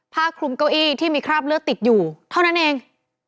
คลุมเก้าอี้ที่มีคราบเลือดติดอยู่เท่านั้นเอง